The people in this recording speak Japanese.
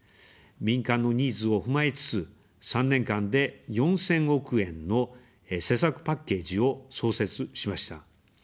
民間のニーズを踏まえつつ、３年間で４０００億円の施策パッケージを創設しました。